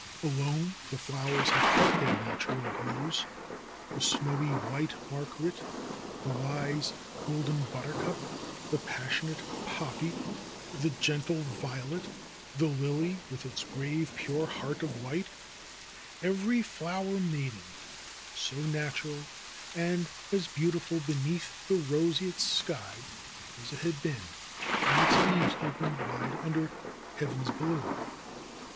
Alone the flowers 1 2 THE ROSE COLORED WORLD had kept their natural hues — ^the snowy white margue rite, the wise golden buttercup, the passionate poppy, the gentle violet, the lily with its grave, pure heart of white, every flower maiden so natural and as beautiful beneath the roseate sky as it had been when its leaves opened wide under heaven's blue.